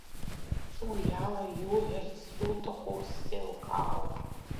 Уи ала иуҳәарц иуҭаху сзеилкаауам.